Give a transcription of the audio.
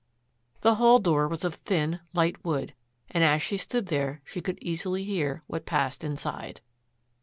The hall door was of thin, light wood, and as she stood there she could easily hear what passed inside.